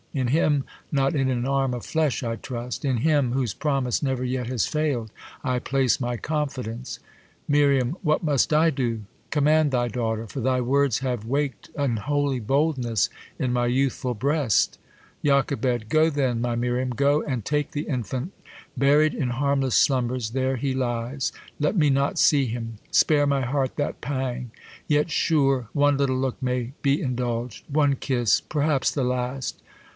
In Him, not in an arm of flesh I trust ; In Him, whose promise never yet has fail'd, I place my confidence. Mir. What must I do ? Command thy daughter, for thy words have wak'd An holy boldnesi inmv youthful breast. Joch. Go then, my Miriam ; go, and take the infant ; Buried in harmless slumbers, there he lies ;* Let me not see him. Spare my heart that pang. Yet sure, one little look m^y be indulged ; One kiss ; perhaps the last.